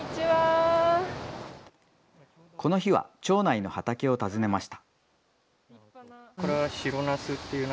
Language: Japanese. この日は町内の畑を訪ねました。